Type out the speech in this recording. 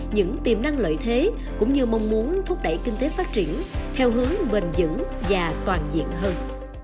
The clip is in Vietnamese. những tiềm năng lợi thế cũng như mong muốn thúc đẩy kinh tế phát triển theo hướng bền dững và toàn diện hơn